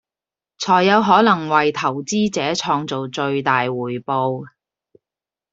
才有可能為投資者創造最大回報